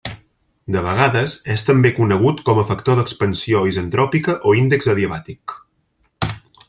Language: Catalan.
De vegades és també conegut com a factor d'expansió isentròpica o índex adiabàtic.